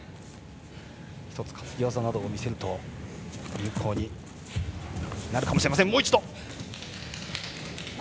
１つ担ぎ技などを見せると有効になるかもしれません。